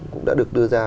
cũng đã được đưa ra